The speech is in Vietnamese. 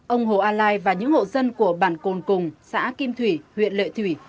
ông hồ a lai và những hộ dân của bản cồn cùng xã kim thủy huyện lệ thủy